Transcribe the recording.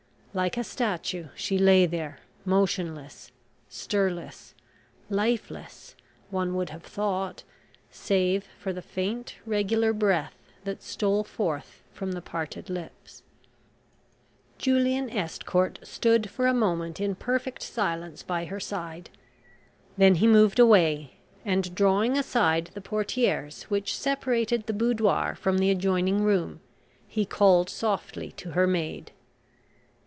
Like a statue, she lay there, motionless, stirless; lifeless, one would have thought, save for the faint regular breath that stole forth from the parted lips. Julian Estcourt stood for a moment in perfect silence by her side. Then he moved away, and, drawing aside the portieres which separated the boudoir from the adjoining room, he called softly to her maid.